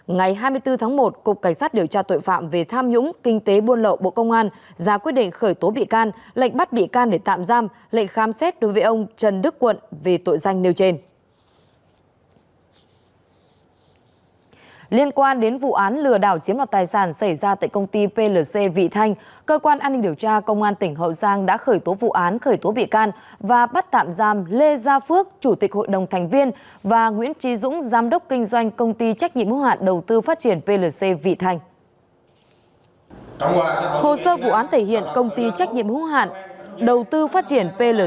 ngày hai mươi bốn tháng một cục cảnh sát điều tra tội phạm về tham nhũng kinh tế buôn lậu bộ công an ra quyết định khởi tố bị can lệnh bắt bị can để tạm giam lệnh khám xét đối với ông trần đức quận về tội danh nêu trên